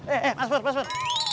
eh eh mas pur mas pur